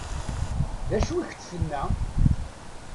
D acu i k-d-tenna?